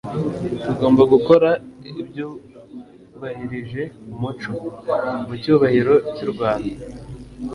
tugomba gukora ibyubahirije umuco. mu cyubahiro cy'u rwanda